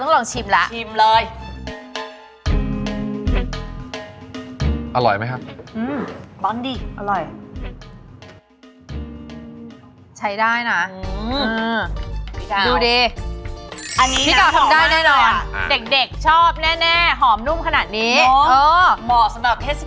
มันจะทำให้มันจืดเร็วครับ